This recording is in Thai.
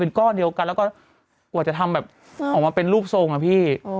แล้วก็กว่าจะทำแบบออกมาเป็นรูปทรงน่ะพี่